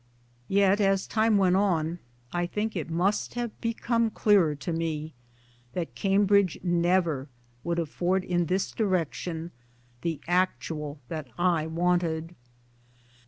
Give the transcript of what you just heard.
Yet as time went on I think it must have become clearer to me that Cambridge never would afford in this direction the actual that I wanted.